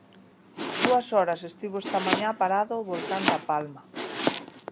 Dúas horas estivo esta mañá parado o volcán da Palma.